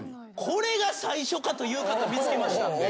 「これが最初か」という方見つけましたんで。